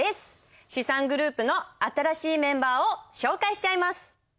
資産グループの新しいメンバーを紹介しちゃいます。